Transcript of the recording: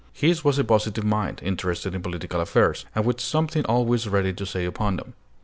His was a positive mind, interested in political affairs, and with something always ready to say upon them.